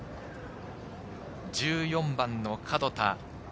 １４番の角田。